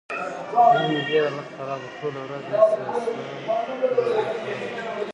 نن مې ډېر حالت خراب و. ټوله ورځ مې سره دوره خوړله.